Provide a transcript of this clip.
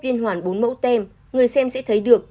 liên hoàn bốn mẫu tem người xem sẽ thấy được